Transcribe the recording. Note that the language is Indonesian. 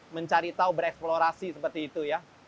mencari tahu bereksplorasi seperti itu ya